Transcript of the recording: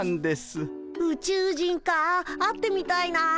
ウチュウ人か会ってみたいな。